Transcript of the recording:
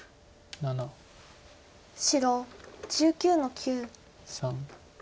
白１９の九。